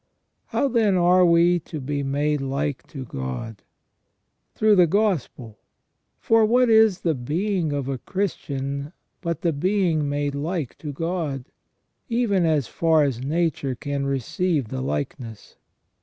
How then are we to be made like to God ? Through the Gospel ; for what is the being a Christian but the being made like to God, even as far as nature can re ceive the likeness